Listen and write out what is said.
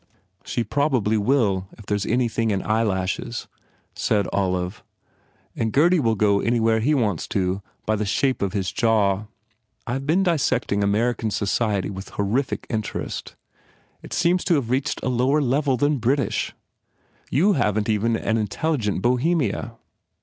"She probably will if there s anything in eye lashes," said Olive, "and Gurdy will go anywhere he wants to, by the shape of his jaw. I ve been dissecting American society with horrific interest. It seems to have reached a lower level than Brit ish! You haven t even an intelligent Bohemia."